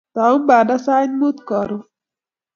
Tou banda siit mutai karon